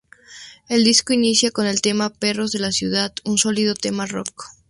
El disco inicia con el tema "Perros de la ciudad", un sólido tema rock.